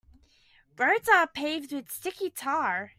Roads are paved with sticky tar.